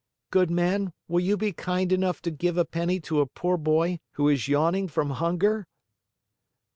"Good man, will you be kind enough to give a penny to a poor boy who is yawning from hunger?"